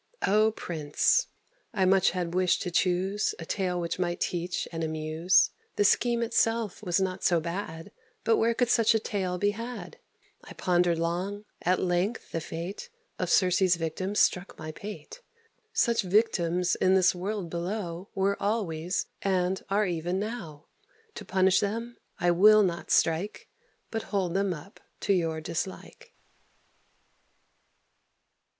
O Prince! I much had wished to choose A tale which might teach and amuse. The scheme itself was not so bad; But where could such a tale be had? I pondered long: at length the fate Of Circe's victims struck my pate. Such victims in this world below Were always, and are even now: To punish them I will not strike, But hold them up to your dislike.